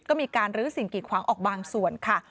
ก็มีการลื้อสิ่งกีดขวางออกบางส่วนค่ะ